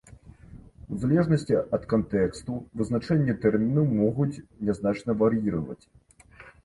У залежнасці ад кантэксту вызначэнні тэрміну могуць нязначна вар'іраваць.